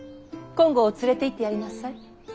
金剛を連れていってやりなさい。